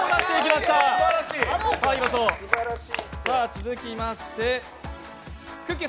続きまして、くっきー！